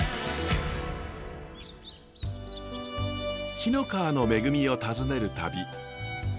紀の川の恵みを訪ねる旅。